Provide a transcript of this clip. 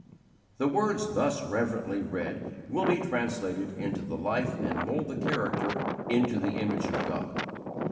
The words thus reverently read will be translated into the life and mould the character into the image of God.